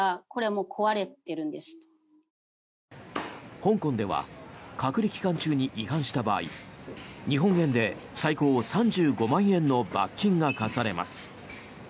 香港では隔離期間中に違反した場合日本円で最高３５万円の罰金が科されます。